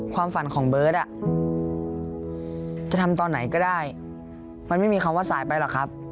ความฝันของเบิร์ตจะทำตอนไหนก็ได้มันไม่มีคำว่าสายไปหรอกครับ